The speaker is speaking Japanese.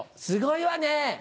すごいわね。